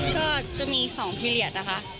ก็จะมี๒พิเหลียตนะคะ